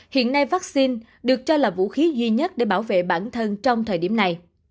hiện nay vaccine được cho là vũ khí duy nhất để bảo vệ bản thân trong thời điểm này